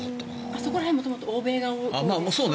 あそこら辺は元々欧米が多い。